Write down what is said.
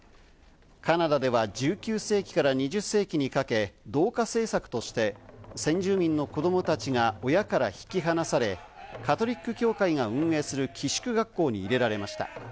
カナダでは１９世紀から２０世紀にかけ、同化政策として、先住民の子供たちが親から引き離され、カトリック教会が運営する寄宿学校に入れられました。